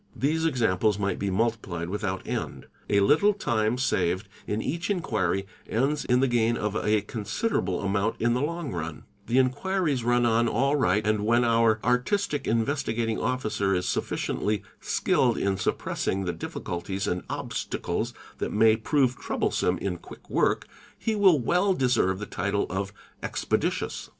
These examples might be multiphed without end; a little time saved in each inquiry ends in the gain of a considerable amount in the long run; the inquiries run on all right and when our artistic ou ae 198m% Investigating Officer is sufficiently skilled in suppressing the difficulties 'and obstacles that may prove troublesome in quick work, he will well deserve the title of " expeditious."